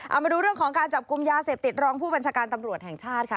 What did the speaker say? เอามาดูเรื่องของการจับกลุ่มยาเสพติดรองผู้บัญชาการตำรวจแห่งชาติค่ะ